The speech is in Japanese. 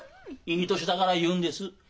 いい年だから言うんです。